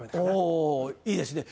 おいいですね